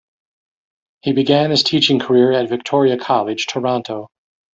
He began his teaching career at Victoria College, Toronto.